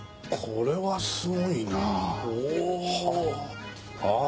これはすごいなあ。